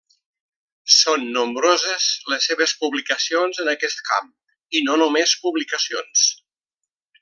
Són nombroses les seves publicacions en aquest camp i no només publicacions.